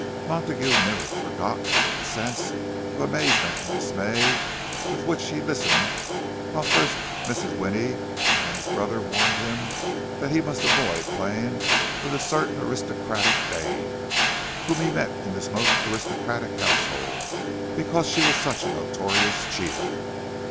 Montague never forgot the sense of amazement and dismay with which he listened while first Mrs. Winnie and then his brother warned him that he must avoid playing with a certain aristocratic dame whom he met in this most aristocratic household—because she was such a notorious cheater!